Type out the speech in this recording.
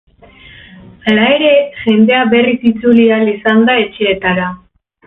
Hala ere, jendea berriz itzuli ahal izan da etxeetara.